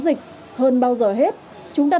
dịch hơn bao giờ hết chúng ta